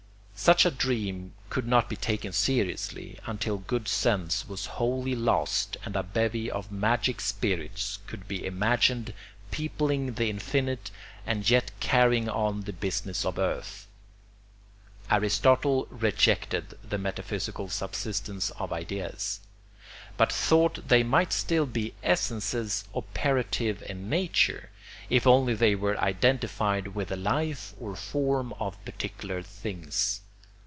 Such a dream could not be taken seriously, until good sense was wholly lost and a bevy of magic spirits could be imagined peopling the infinite and yet carrying on the business of earth. Aristotle rejected the metaphysical subsistence of ideas, but thought they might still be essences operative in nature, if only they were identified with the life or form of particular things.